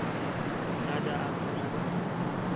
تاجا آکھا ناس منّا